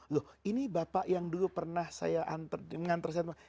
loh ini bapak yang dulu pernah saya nganter saya